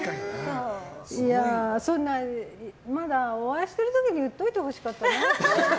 そんなお会いしてる時に言っておいてほしかったな。